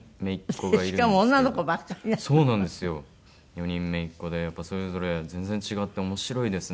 ４人姪っ子でやっぱそれぞれ全然違って面白いですね